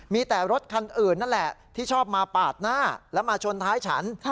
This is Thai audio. มีแต่รถคันอื่นนั่นแหละที่ชอบมาปาดหน้าแล้วมาชนท้ายฉัน